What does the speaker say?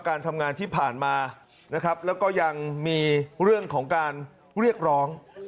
การทำงานที่ผ่านมานะครับแล้วก็ยังมีเรื่องของการเรียกร้อง